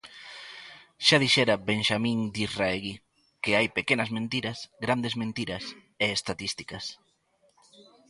Xa dixera Benxamín Disraeli que hai pequenas mentiras, grandes mentiras e estatísticas.